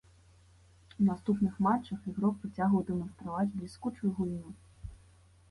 У наступных матчах ігрок працягваў дэманстраваць бліскучую гульню.